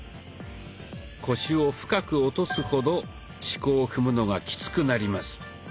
腰を深く落とすほど四股を踏むのがきつくなります。